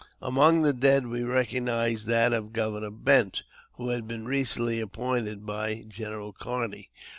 Among the dead we recognized that of Governor Bent, who had been recently appointed by General Kearney.